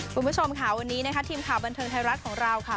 คุณผู้ชมค่ะวันนี้นะคะทีมข่าวบันเทิงไทยรัฐของเราค่ะ